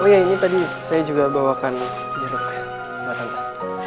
oh iya ini tadi saya juga bawakan jeruk buat tante